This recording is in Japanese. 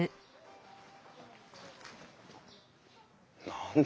何だ？